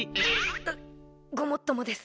うっごもっともです。